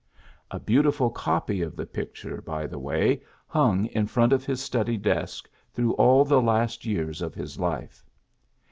A beautiful copy of the picture, by the way, hung in front of his study desk through all the last years of his life.